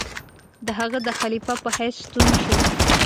د هغه د خلیفه په حیث ستون شو.